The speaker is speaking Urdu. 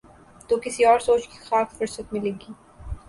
تو کسی اور سوچ کی خاک فرصت ملے گی۔